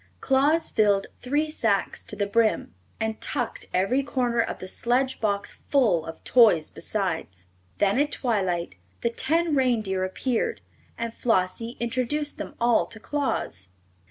Claus filled three sacks to the brim, and tucked every corner of the sledge box full of toys besides. Then, at twilight, the ten reindeer appeared and Flossie introduced them all to Claus.